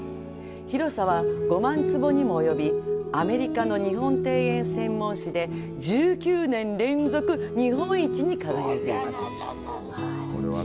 広さは５万坪にも及びアメリカの日本庭園専門誌で１９年連続日本一に輝いています。